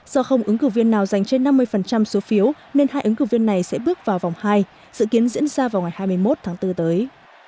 do không ứng cử viên nào giành trên năm mươi số phiếu nên hai ứng cử viên này sẽ bước vào vòng hai dự kiến diễn ra vào ngày hai mươi một tháng bốn tới